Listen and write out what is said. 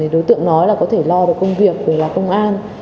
đối tượng nói là có thể lo được công việc về là công an